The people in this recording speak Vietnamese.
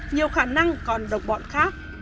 nhiều khả năng còn đồng bọn khác